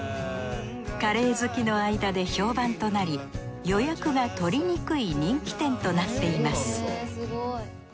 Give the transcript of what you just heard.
カレー好きの間で評判となり予約が取りにくい人気店となっています